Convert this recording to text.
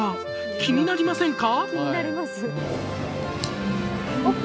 気になりませんか？